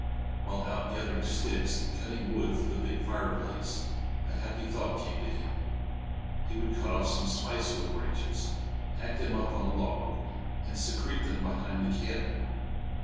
While out gathering sticks and cutting wood for the big fireplace, a happy thought came to him he would cut off some spicewood branches, hack them up on a log, and secrete them behind the cabin.